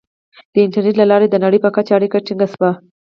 • د انټرنیټ له لارې د نړۍ په کچه اړیکې ټینګې شوې.